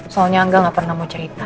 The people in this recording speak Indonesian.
soalnya angga gak pernah mau cerita